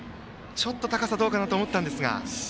ちょっと高さがどうかなと思ったんですがどうでしたか。